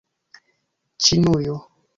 ĉinujo